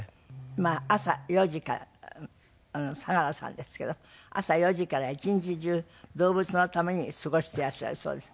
まあ朝４時から佐良さんですけど朝４時から一日中動物のために過ごしていらっしゃるそうです。